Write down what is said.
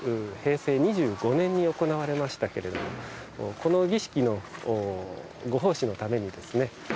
平成２５年に行われましたけれどもこの儀式のご奉仕のためにですね